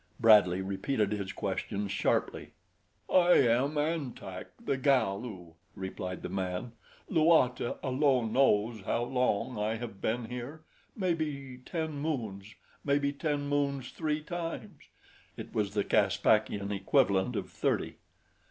Bradley repeated his questions sharply. "I am An Tak, the Galu," replied the man. "Luata alone knows how long I have been here maybe ten moons, maybe ten moons three times" it was the Caspakian equivalent of thirty.